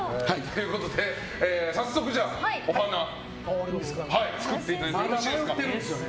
早速、お花を作っていただいてよろしいですか。